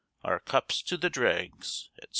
Our cups to the dregs, &c.